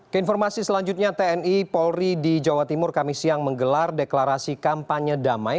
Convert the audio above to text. keinformasi selanjutnya tni polri di jawa timur kami siang menggelar deklarasi kampanye damai